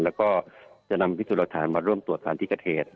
แล้วก็จะนำพิสูจน์หลักฐานมาร่วมตรวจสารที่เกิดเหตุ